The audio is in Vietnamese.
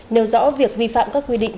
nêu rõ việc vi phạm các quy định